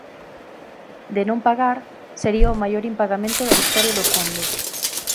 De non pagar, sería o maior impagamento da historia do Fondo.